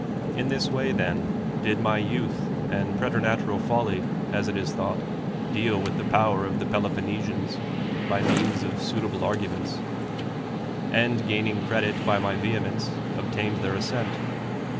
In this way, then, did my youth and preter natural folly, as it is thought, deal with the power of the Peloponnesians by means of suita ble arguments ; and, gaining credit by my vehe mence, obtained their assent.